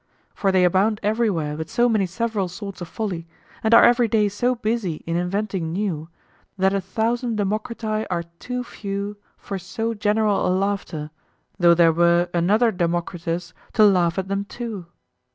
For they abound everywhere with so many several sorts of folly, and are every day so busy in inventing new, that a thousand Democriti are too few for so general a laughter though there were another Democritus to laugh at them too.